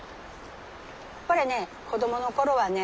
これね子どもの頃はね。